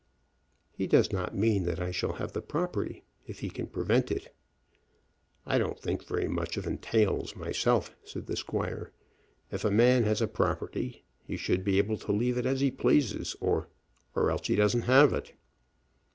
"He does not mean that I shall have the property if he can prevent it." "I don't think very much of entails myself," said the squire. "If a man has a property he should be able to leave it as he pleases; or or else he doesn't have it."